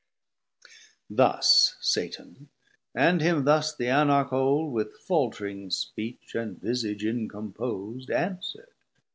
Thus Satan; and him thus the Anarch old With faultring speech and visage incompos'd Answer'd.